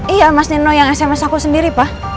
iya mas nino yang sms aku sendiri pak